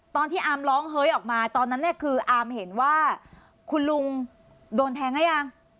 ตอนที่อาร์มร้องเฮ้ยออกมาตอนนั้นเนี่ยคืออามเห็นว่าคุณลุงโดนแทงหรือยัง